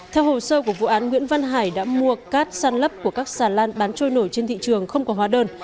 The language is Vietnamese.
theo hồ sơ của vụ án nguyễn văn hải đã mua cát săn lấp của các xà lan bán trôi nổi trên thị trường không có hóa đơn